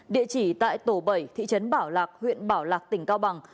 địa chỉ tại tổ bảy thị trấn bảo lạc huyện bảo lạc tỉnh cao bằng